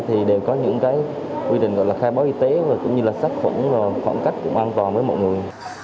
thì đều có những quy định gọi là khai bó y tế cũng như là sát khuẩn khoảng cách cũng an toàn với mọi người